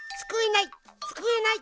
すくえない！